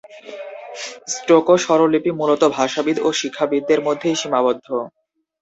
স্টোকো স্বরলিপি মূলত ভাষাবিদ ও শিক্ষাবিদদের মধ্যেই সীমাবদ্ধ।